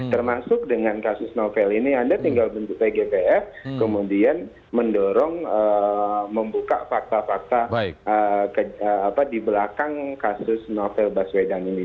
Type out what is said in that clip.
termasuk dengan kasus novel ini anda tinggal tgpf kemudian mendorong membuka fakta fakta di belakang kasus novel baswedan ini